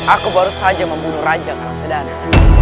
aku baru saja membunuh raja arab sedana